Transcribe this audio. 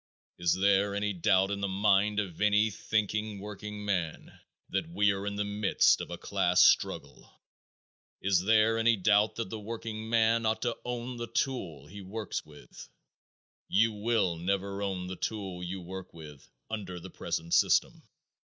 Is there any doubt in the mind of any thinking workingman that we are in the midst of a class struggle? Is there any doubt that the workingman ought to own the tool he works with? You will never own the tool you work with under the present system.